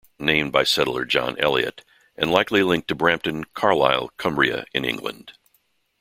Named by settler John Eliot and likely linked to Brampton, Carlisle, Cumbria in England.